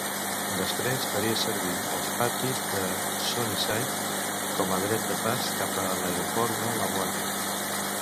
Després faria servir els patis de Sunnyside com a dret de pas cap a l'aeroport de LaGuardia.